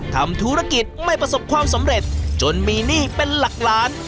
ทำธุรกิจไม่ประสบความสำเร็จจนมีหนี้เป็นหลักล้าน